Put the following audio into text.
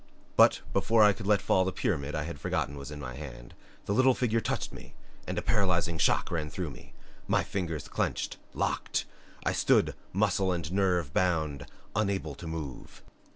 But, before I could let fall the pyramid I had forgotten was in my hand, the little figure touched me and a paralyzing shock ran through me. My fingers clenched, locked. I stood, muscle and nerve bound, unable to move.